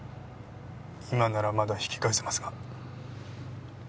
今ならまだ引き返せますが。